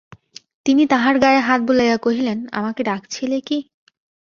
তিনি তাহার গায়ে হাত বুলাইয়া কহিলেন, আমাকে ডাকছিলে কি?